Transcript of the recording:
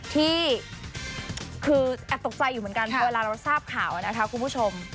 ที่คือแอบตกใจอยู่เหมือนกันเวลาเราทราบข่าวนะคะคุณผู้ชม